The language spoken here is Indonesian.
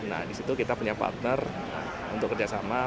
nah di situ kita punya partner untuk kerjasama